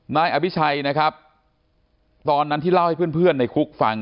นายอภิชัยนะครับตอนนั้นที่เล่าให้เพื่อนในคุกฟัง